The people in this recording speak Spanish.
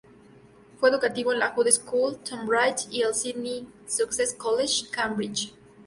Fue educado en la Judd School, Tonbridge y el Sidney Sussex College, Cambridge.